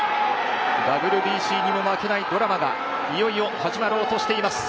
ＷＢＣにも負けないドラマが、いよいよ始まろうとしています。